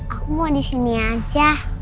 aku mau disini aja